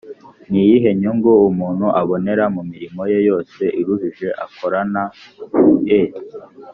ni iyihe nyungu umuntu abonera mu mirimo ye yose iruhije akoranae